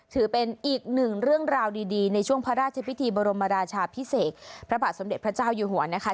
ถือเป็นอีกหนึ่งเรื่องราวดีในช่วงพระราชพิธีบรมราชาพิเศษพระบาทสมเด็จพระเจ้าอยู่หัวนะคะ